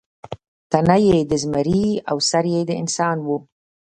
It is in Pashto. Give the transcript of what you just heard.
تنه یې د زمري او سر یې د انسان و.